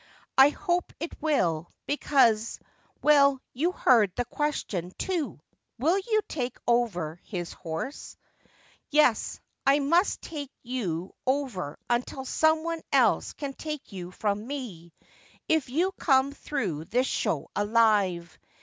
I hope it will, because — well, you heard the question, too —" Will you take over his horse ?" Yes, I must take you over until someone else can take you from me, if you come through this show alive.